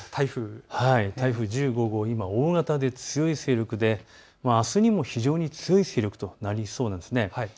台風１５号、今、大型で強い勢力であすにも非常に強い勢力となりそうです。